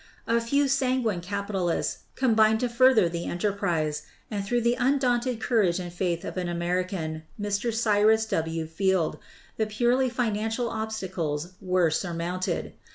A few sanguine capitalists combined to further the enterprise, and through the undaunted courage and faith of an American, Mr. Cyrus W. Field, the purely financial obstacles were sur mounted.